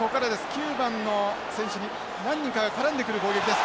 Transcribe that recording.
９番の選手に何人かが絡んでくる攻撃です。